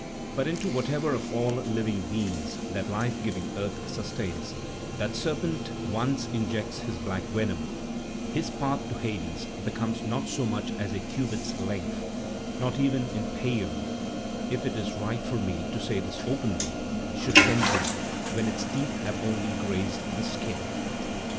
But into whatever of all living beings that life giving earth sustains that serpent once injects his black venom, his path to Hades becomes not so much as a cubit's length, not even if Paeeon, if it is right for me to say this openly, should tend him, when its teeth have only grazed the skin.